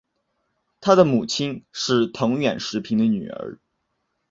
他的母亲是藤原时平的女儿。